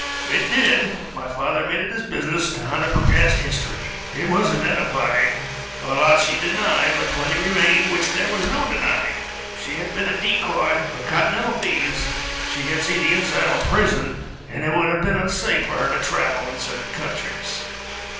It did. My father made it his business to hunt up her past history. It wasn't edifying. A lot she denied, but plenty remained which there was no denying. She had been a decoy for Continental thieves, she had seen the inside of a prison, and it would have been unsafe for her to travel in certain countries.